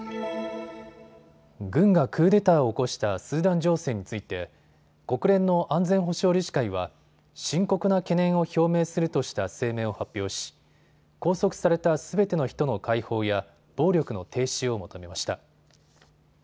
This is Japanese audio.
軍がクーデターを起こしたスーダン情勢について国連の安全保障理事会は深刻な懸念を表明するとした声明を発表し拘束されたすべての人の解放や暴力の停止を求めました。